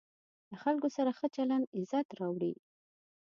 له خلکو سره ښه چلند عزت راوړي.